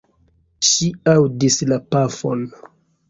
Ŝi aŭdis la pafon.